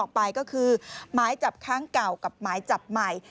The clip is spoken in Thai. ก็คือไม้จับข้างเก่ากับไม้จับใหม่